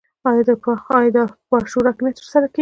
آیا دا په عاشورا کې نه ترسره کیږي؟